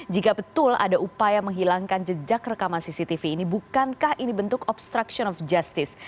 jika betul ada upaya menghilangkan jejak rekaman cctv ini bukankah ini bentuk obstruction of justice